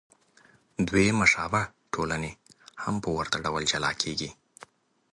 دوې مشابه ټولنې هم په ورته ډول جلا کېږي.